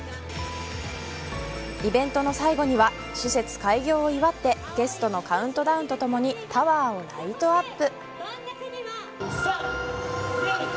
イベントの最後には施設開業を祝ってゲストのカウントダウンとともにタワーをライトアップ。